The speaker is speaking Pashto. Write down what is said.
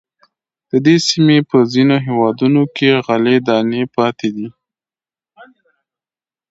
د دې سیمې په ځینو هېوادونو کې غلې دانې پاتې دي.